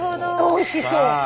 おいしそう。